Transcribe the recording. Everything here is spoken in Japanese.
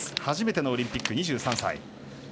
初めてのオリンピック２３歳。